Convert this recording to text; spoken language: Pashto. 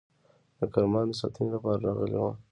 د کرمان د ساتنې لپاره راغلي وه.